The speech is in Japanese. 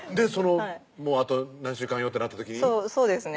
「もうあと何週間よ」ってなった時そうですね